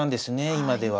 今では。